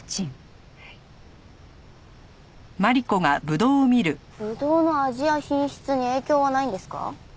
ぶどうの味や品質に影響はないんですか？